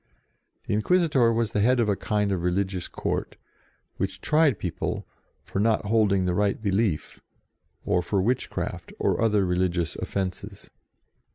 The Inquisitor was the head of a kind of religious Court, which tried people for not 92 JOAN OF ARC holding the right belief, or for witchcraft, or other religious offences.